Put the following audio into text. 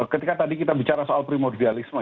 ketika tadi kita bicara soal primordialisme